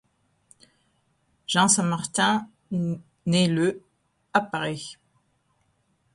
Jean Saint-Martin naît le à Paris.